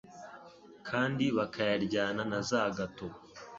kandi bakayaryana na za gato,